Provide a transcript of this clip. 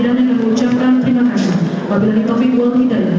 terima kasih atas segala perhatiannya